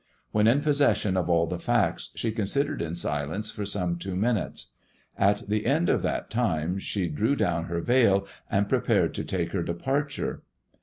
When in possession of all the facts she considered in silence for some two minutes. At the end of that time she drew down her veil and prepared to take her departure.